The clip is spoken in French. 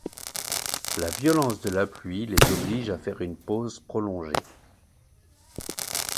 La violence de la pluie les oblige à faire une pause prolongée.